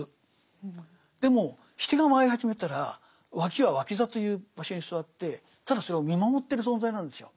でもシテが舞い始めたらワキはワキ座という場所に座ってただそれを見守ってる存在なんですよ。